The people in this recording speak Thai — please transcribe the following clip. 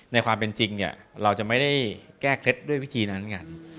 ในความเป็นจริงเนี่ยเราจะไม่ได้แก้เคล็ดด้วยวิธีนั้นกัน